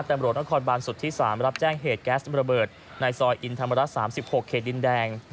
ตำรวจนครบานสุดที่๓รับแจ้งเหตุแก๊สระเบิดในซอยอินธรรมรัฐ๓๖เขตดินแดง